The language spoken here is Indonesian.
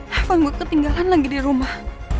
handphone gue ketinggalan lagi di rumah